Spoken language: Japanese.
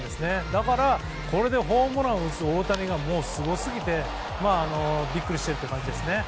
だから、これでホームランを打つ大谷がもうすごすぎてビックリしてるという感じです。